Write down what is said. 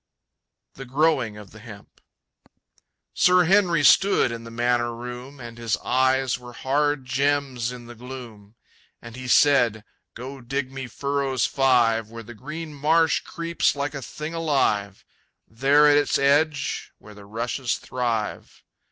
The Growing of the Hemp. Sir Henry stood in the manor room, And his eyes were hard gems in the gloom. And he said, "Go dig me furrows five Where the green marsh creeps like a thing alive There at its edge, where the rushes thrive."